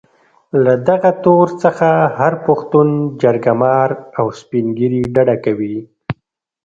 له دغه تور څخه هر پښتون جرګه مار او سپين ږيري ډډه کوي.